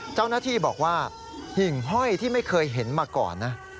เจ้าหน้าที่บอกว่าหิ่งห้อยที่ไม่เคยเห็นมาก่อนนะ